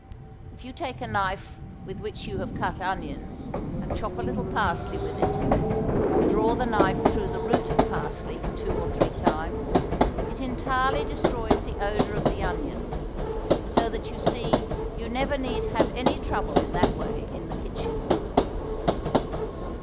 If you take a knife with which you have cut onions, and chop a little parsley with it, or draw the knife through the root of parsley two or three times, it entirely destroys the odor of the onion. So that you see you never need have any trouble in that way in the kitchen.